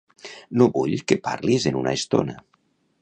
No vull que parlis en una estona.